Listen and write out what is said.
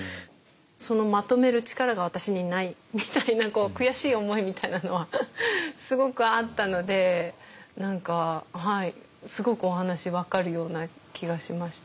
そのまとめる力が私にないみたいな悔しい思いみたいなのはすごくあったので何かすごくお話分かるような気がしました。